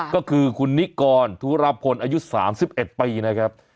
ก็คือคุณนิกรธุระพลอายุสามสิบเอ็ดปีนะครับ